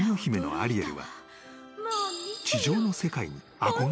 アリエル」